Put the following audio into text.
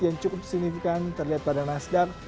yang cukup signifikan terlihat pada nasdaq